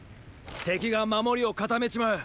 敵が守りを固めちまう。